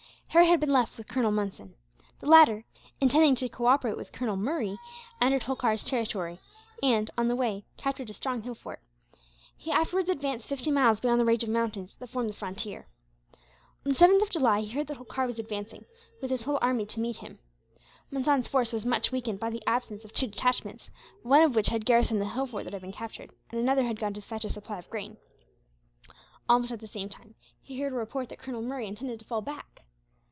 Harry had been left with Colonel Monson. The latter, intending to cooperate with Colonel Murray, entered Holkar's territory and, on the way, captured a strong hill fort. He afterwards advanced fifty miles beyond the range of mountains that formed the frontier. On the 7th of July he heard that Holkar was advancing, with his whole army, to meet him. Monson's force was much weakened by the absence of two detachments, one of which had garrisoned the hill fort that had been captured, and another had gone to fetch a supply of grain. Almost at the same time he heard a report that Colonel Murray intended to fall back.